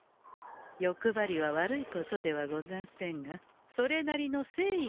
欲張りは悪いことではござんせんがそれなりの誠意がなくては。